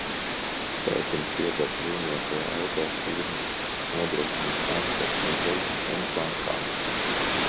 Tētim pieder bruņoto auto firma, nodrošina transportu muzejiem un bankām.